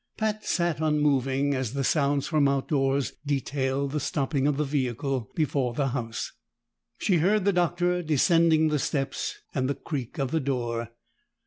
Pat sat unmoving as the sounds from outdoors detailed the stopping of the vehicle before the house. She heard the Doctor descending the steps, and the creak of the door.